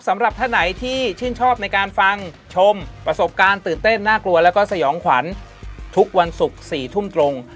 สำหรับท่านไหนที่ชื่นชอบในการฟังชมประสบการณ์ตื่นเต้นน่ากลัวแล้วก็สยองขวัญทุกวันศุกร์๔ทุ่มตรง